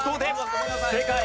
正解。